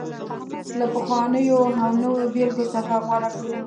له پخوانيو او نویو بېلګو څخه غوره کړو